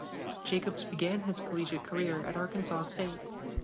Jacobs began his collegiate career at Arkansas State.